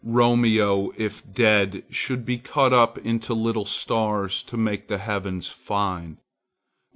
Romeo, if dead, should be cut up into little stars to make the heavens fine.